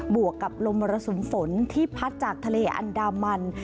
วกกับลมมรสุมฝนที่พัดจากทะเลอันดามัน